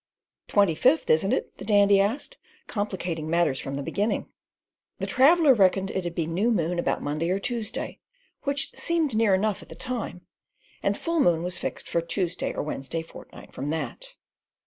"Twenty fifth, isn't it?" the Dandy asked, complicating matters from the beginning. The traveller reckoned it'd be new moon about Monday or Tuesday, which seemed near enough at the time; and full moon was fixed for the Tuesday or Wednesday fortnight from that.